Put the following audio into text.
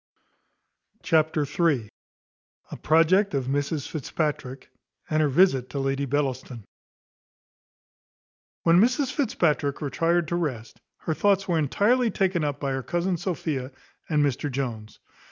A project of Mrs Fitzpatrick, and her visit to Lady Bellaston. When Mrs Fitzpatrick retired to rest, her thoughts were entirely taken up by her cousin Sophia and Mr Jones.